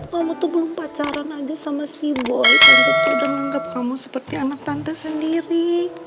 mama tuh belum pacaran aja sama si boy tante tuh udah menganggap kamu seperti anak tante sendiri